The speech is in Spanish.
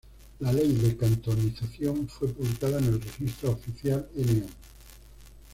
La ley de cantonización fue publicada en el Registro Oficial No.